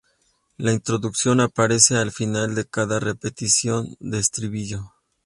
La introducción aparece al final de cada repetición del estribillo.